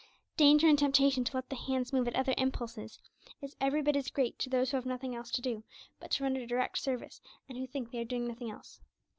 Danger and temptation to let the hands move at other impulses is every bit as great to those who have nothing else to do but to render direct service, and who think they are doing nothing else.